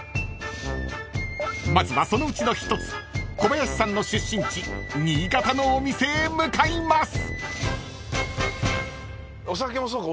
［まずはそのうちの１つ小林さんの出身地新潟のお店へ向かいます］